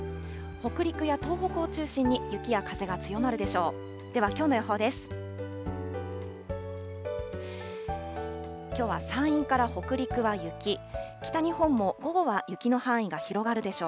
北陸や東北を中心に、雪や風が強まるでしょう。